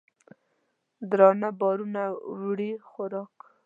درانه بارونه وړي خوراک